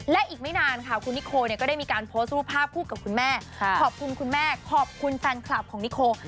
และอีกไม่นานค่ะคุณนิโคก็ได้มีการโพสต์รูปภาพคู่กับคุณแม่ขอบคุณคุณแม่ขอบคุณแฟนคลับของนิโค